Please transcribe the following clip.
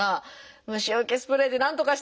虫よけスプレーでなんとかしてください！